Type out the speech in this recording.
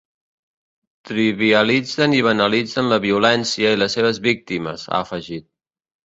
Trivialitzen i banalitzen la violència i les seves víctimes, ha afegit.